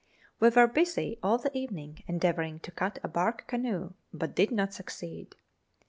We were busy all the evening endeavouring to cut a bark canoe, but did not succeed.